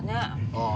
ああ。